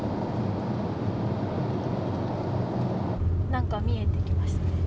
何か見えてきました。